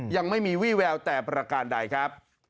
ยังไม่มีวี่แววแต่ประการใดครับ